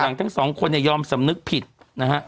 หลังทั้งสองคนยอมสำนึกผิดนะครับ